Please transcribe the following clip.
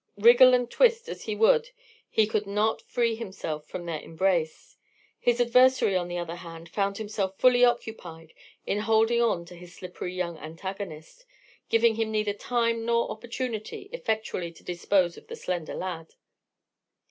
Wriggle and twist as he would he could not free himself from their embrace. His adversary, on the other hand, found himself fully occupied in holding on to his slippery young antagonist, giving him neither time nor opportunity effectually to dispose of the slender lad.